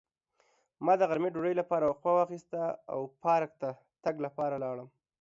ما د غرمې ډوډۍ لپاره وقفه واخیسته او پارک ته د تګ لپاره لاړم.